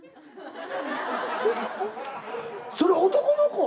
それ男の子？